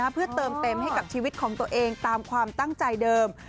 เพื่อเติมเต็มให้กับชีวิตของตัวเองตามความตั้งใจเดิม